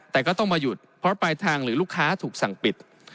แต่ก็ต้องมาหยุดเพราะปลายทางหรือลูกค้าถูกสั่งปิด